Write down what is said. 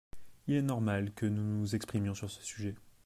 Il est normal que nous nous exprimions sur ce sujet.